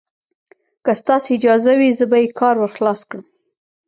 که ستاسې اجازه وي، زه به یې کار ور خلاص کړم.